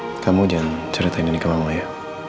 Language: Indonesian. mereka sudah bisa mengubahnya dan memperbaiki kekerasan raya